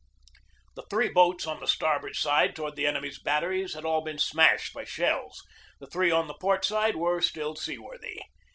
The three boats on the starboard side toward the enemy's batteries had all been smashed by shells. The three on the port side were still seaworthy.